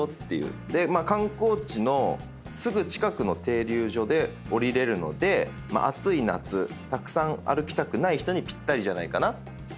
で観光地のすぐ近くの停留所で降りれるので暑い夏たくさん歩きたくない人にぴったりじゃないかなっていうことで。